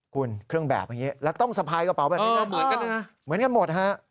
คุณเครื่องแบบอย่างนี้แล้วต้องสะพายกระเป๋าเหมือนกันหมด